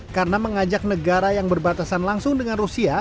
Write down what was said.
karena mengajak negara yang berbatasan langsung dengan rusia